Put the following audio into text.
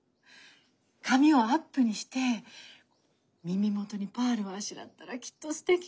髪をアップにして耳元にパールをあしらったらきっとすてきよ。